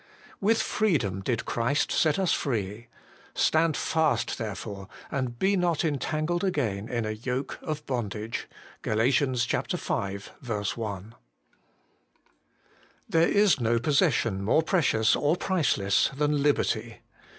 With freedom did Christ set us free : stand fast therefore, and be not entangled again in a yoke of bondage.' GAL. v. 1. THEEE is no possession more precious or priceless than liberty.